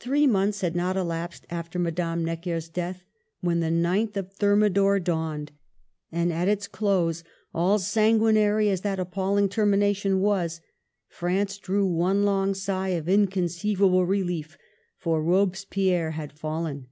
Three months had not elapsed after Madame Necker s death when the 9th Thermidor dawned, and at its close, all sanguinary as that appalling termination was, France drew one long sigh of inconceivable relief, for Robespierre had fallen.